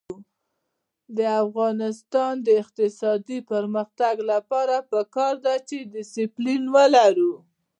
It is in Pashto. د افغانستان د اقتصادي پرمختګ لپاره پکار ده چې دسپلین ولرو.